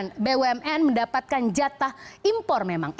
dan kita lihat beberapa bumn mendapatkan jatah impor memang